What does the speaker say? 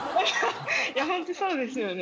いやホントそうですよね。